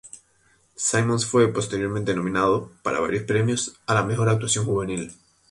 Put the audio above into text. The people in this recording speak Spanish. Simmonds fue posteriormente nominado para varios premios a la mejor actuación juvenil.